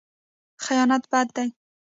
خیانت بد دی.